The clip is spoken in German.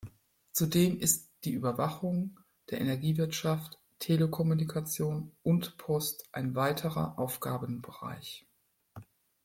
Zudem ist die Überwachung der Energiewirtschaft, Telekommunikation und Post ein weiterer Aufgabenbereich.